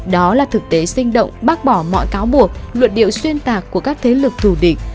đó là thực tế sinh động bác bỏ mọi cáo buộc luận điệu xuyên tạc của các thế lực thù địch